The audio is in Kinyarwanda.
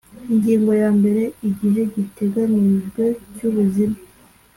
Ingingo ya mbere Igihe giteganyijwe cy ubuzime